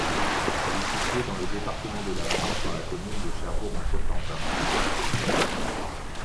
Elle est située dans le département de la Manche, dans la commune de Cherbourg-en-Cotentin.